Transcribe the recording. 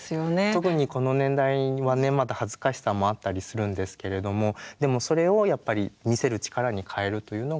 特にこの年代はねまだ恥ずかしさもあったりするんですけれどもでもそれをやっぱり見せる力に変えるというのが大事だと思います。